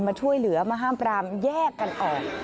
มาช่วยเหลือมาห้ามปรามแยกกันออก